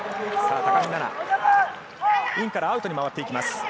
さぁ、高木菜那、インからアウトに回っていきます。